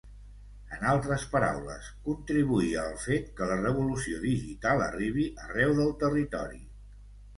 En altres paraules, contribuir al fet que la revolució digital arribi arreu del territori.